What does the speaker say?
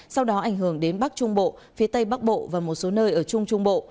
sau đó ảnh hưởng đến bắc trung bộ phía tây bắc bộ và một số nơi ở trung trung bộ